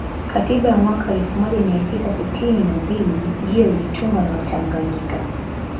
Katiba ya mwaka elfu moja mia tisa sitini na mbili ndiyo ilitungwa na watanganyika